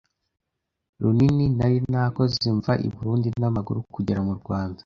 runini nari nakoze mva I Burundi n’amaguru kugera mu Rwanda